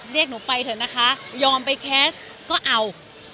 เรียกหนูไปเถอะนะคะยอมไปแคสต์ก็เอา